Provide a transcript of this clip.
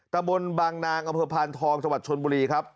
ตะบนบางนางอำเภอพานทองจังหวัดชนบุรีครับ